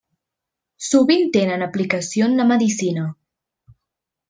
Sovint tenen aplicació en la medicina.